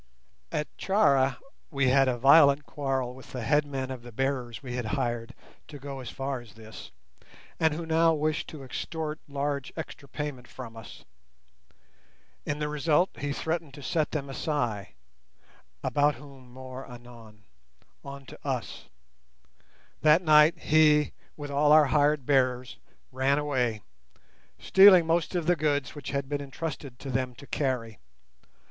At Charra we had a violent quarrel with the headman of the bearers we had hired to go as far as this, and who now wished to extort large extra payment from us. In the result he threatened to set the Masai—about whom more anon—on to us. That night he, with all our hired bearers, ran away, stealing most of the goods which had been entrusted to them to carry.